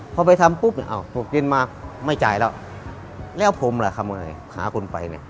พอไปทำปุ๊บอ้าวตกเย็นมาไม่จ่ายแล้วแล้วผมล่ะทำอะไรหาคนไปเนี่ย